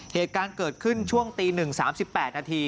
เหตุการณ์เกิดขึ้นช่วงตี๑๓๘นาที